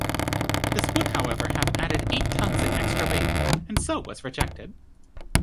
This would however have added eight tons in extra weight, and so was rejected.